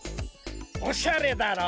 おしゃれだろ？